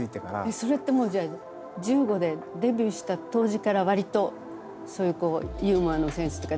それってもうじゃあ１５年デビューした当時からわりとそういうユーモアのセンスっていうか。